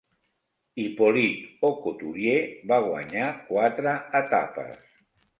Hippolyte Aucouturier va guanyar quatre etapes.